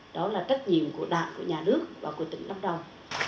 đó là tất nhiên của đảng của nhà nước và của tỉnh lâm đồng